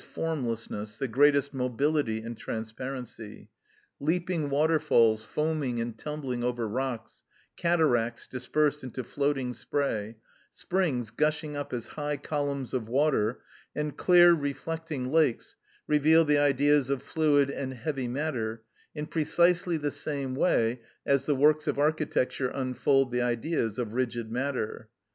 _, formlessness, the greatest mobility and transparency. Leaping waterfalls foaming and tumbling over rocks, cataracts dispersed into floating spray, springs gushing up as high columns of water, and clear reflecting lakes, reveal the Ideas of fluid and heavy matter, in precisely the same way as the works of architecture unfold the Ideas of rigid matter.